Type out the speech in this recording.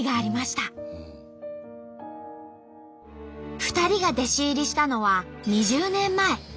２人が弟子入りしたのは２０年前。